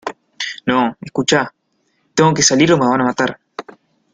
no. escucha ... tengo que salir o me van a matar .